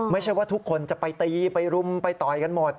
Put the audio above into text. ไม่ใช่ว่าทุกคนจะไปตีไปรุมไปต่อยกันหมด